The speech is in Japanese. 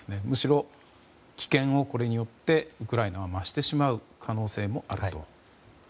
むしろ危険をこれによってウクライナは増してしまう可能性もあると。